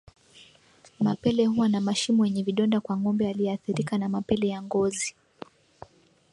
Mapele huwa na mashimo yenye vidonda kwa ngombe aliyeathirika na mapele ya ngozi